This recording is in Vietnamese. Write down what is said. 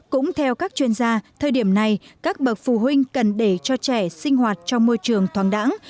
cũng theo các chuyên gia thời điểm này các bậc phụ huynh cần để cho trẻ sinh hoạt trong môi trường thoáng đẳng